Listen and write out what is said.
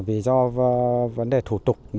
vì do vấn đề thủ tục